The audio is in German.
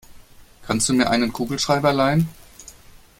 Kannst du mir einen Kugelschreiber leihen?